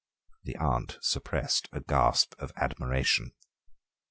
The aunt suppressed a gasp of admiration.